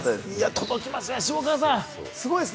届きましたね、下川さん。